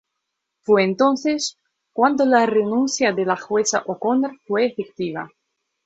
Fue entonces cuando la renuncia de la jueza O'Connor fue efectiva.